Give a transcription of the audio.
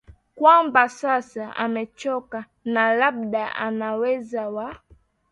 kwamba sasa amechoka na labda anaweza wa